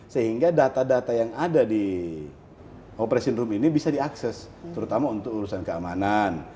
sehingga data data yang ada di operation room ini bisa diakses terutama untuk urusan keamanan